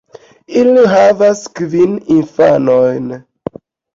Ili havas kvin infanojn.